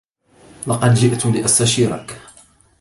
لقد جئت لأستشيرك.